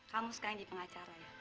kamu sekarang jadi pengacara ya